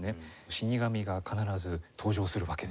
死神が必ず登場するわけですよね。